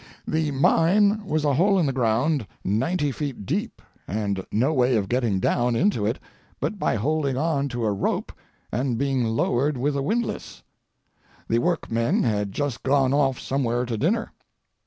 The "mine" was a hole in the ground ninety feet deep, and no way of getting down into it but by holding on to a rope and being lowered with a windlass. The workmen had just gone off somewhere to dinner.